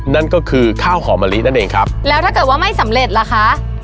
นั่นก็คือข้าวหอมะลินั่นเองครับแล้วถ้าเกิดว่าไม่สำเร็จล่ะคะ